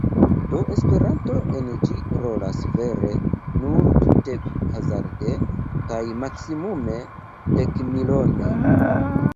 Do Esperanto en ĝi rolas vere nur tute hazarde kaj maksimume dekmilone.